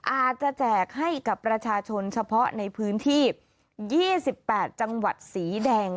แจกให้กับประชาชนเฉพาะในพื้นที่๒๘จังหวัดสีแดง